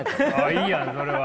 いいやんそれは。